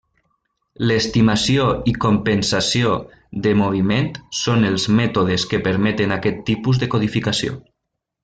L'estimació i compensació de moviment són els mètodes que permeten aquest tipus de codificació.